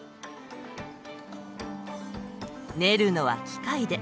練るのは機械で。